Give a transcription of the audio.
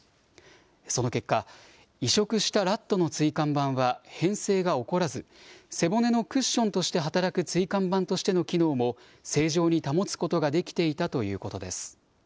その結果、移植したラットの椎間板は変性が起こらず背骨のクッションとして働く椎間板としての機能も正常に保つことができていたということです。